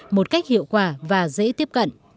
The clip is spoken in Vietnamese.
một cách hiệu quả và dễ tiếp cận